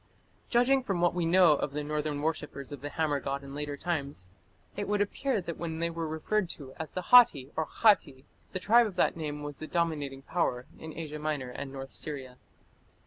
Judging from what we know of the northern worshippers of the hammer god in later times, it would appear that when they were referred to as the Hatti or Khatti, the tribe of that name was the dominating power in Asia Minor and north Syria.